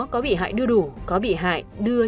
có bị hại đưa đủ có bị hại đưa